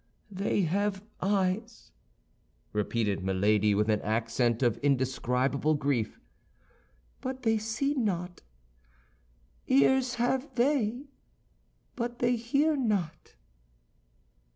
"They have eyes," repeated Milady, with an accent of indescribable grief, "but they see not; ears have they, but they hear not."